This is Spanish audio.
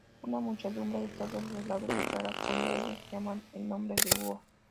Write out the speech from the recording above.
Una muchedumbre de todos los lados aclama cuando ellos llaman el nombre de Huo.